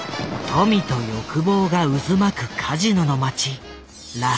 富と欲望が渦巻くカジノの街